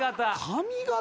髪形。